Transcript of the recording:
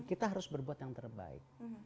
kita harus berbuat yang terbaik